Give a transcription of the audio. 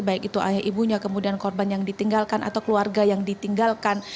baik itu ayah ibunya kemudian korban yang ditinggalkan atau keluarga yang ditinggalkan